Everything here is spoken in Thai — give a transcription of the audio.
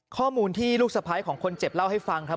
ข้อมูลที่ลูกสะพ้ายของคนเจ็บเล่าให้ฟังครับ